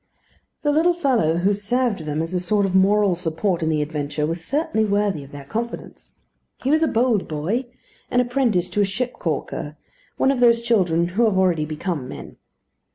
The little fellow who served them as a sort of moral support in the adventure was certainly worthy of their confidence. He was a bold boy an apprentice to a ship caulker; one of those children who have already become men.